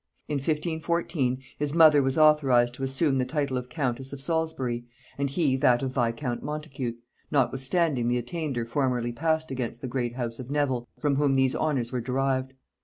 In 1514, his mother was authorized to assume the title of countess of Salisbury, and he that of viscount Montacute, notwithstanding the attainder formerly passed against the great house of Nevil, from whom these honors were derived.